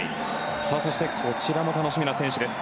そして、こちらも楽しみな選手です。